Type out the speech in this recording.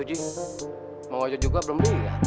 iya tujuh tujuh juga belum